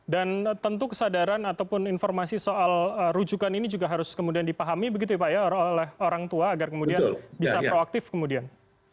tentu kesadaran ataupun informasi soal rujukan ini juga harus kemudian dipahami begitu ya pak ya oleh orang tua agar kemudian bisa proaktif kemudian